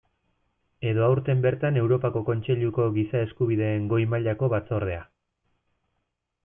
Edo aurten bertan Europako Kontseiluko Giza Eskubideen Goi mailako Batzordea.